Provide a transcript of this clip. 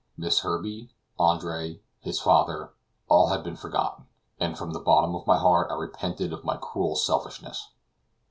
Miss Herbey, Andre, his father, all had been forgotten, and from the bottom of my heart I repented of my cruel selfishness.